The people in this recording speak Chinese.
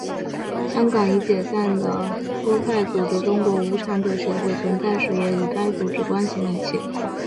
香港已解散的托派组织中国无产者协会存在时也与该组织关系密切。